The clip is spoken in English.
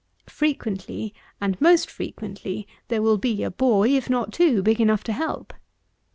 Frequently, and most frequently, there will be a boy, if not two, big enough to help.